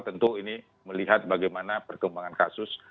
tentu ini melihat bagaimana perkembangan kasus